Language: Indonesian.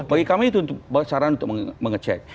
bagi kami itu saran untuk mengecek